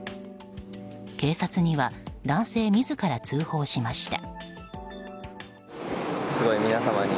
警察には男性自ら通報しました。